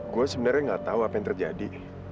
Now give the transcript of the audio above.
gue sebenarnya gak tahu apa yang terjadi